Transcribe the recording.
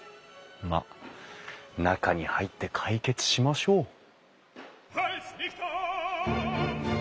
まっ中に入って解決しましょう！